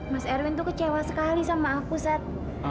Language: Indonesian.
mas erwin tuh kecewa sekali sama aku set